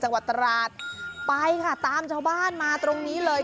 จังหวัดตราดไปค่ะตามชาวบ้านมาตรงนี้เลย